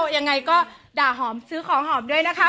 ยังไงก็ด่าหอมซื้อของหอมด้วยนะคะ